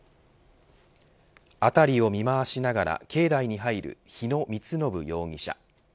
辺りを見回しながら境内に入る日野充信容疑者。